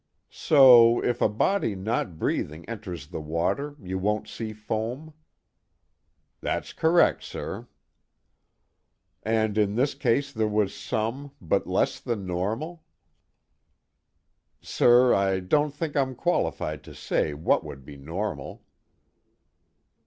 "So, if a body not breathing enters the water, you won't see foam?" "That's correct, sir." "And in this case there was some, but less than normal?" "Sir, I don't think I'm qualified to say what would be normal."